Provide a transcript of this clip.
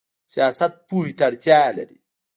سیاست پوهې ته اړتیا لري؟